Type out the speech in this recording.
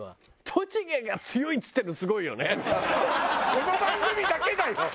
この番組だけだよ